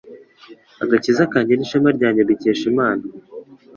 Agakiza kanjye n’ishema ryanjye mbikesha Imana